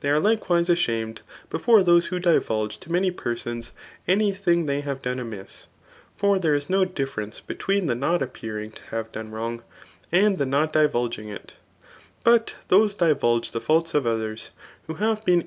They are likewise ashamed before those who divulge to ipany persons [any thing they have doneamiss)] for there is no difference between d» not appearing to have done wrong, and the not dtvulgmg it But those divulge [the ftults of others} who have been CHAK Tin.